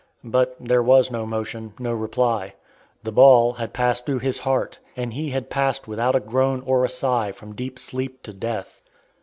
But there was no motion, no reply. The ball had passed through his heart, and he had passed without a groan or a sigh from deep sleep to death.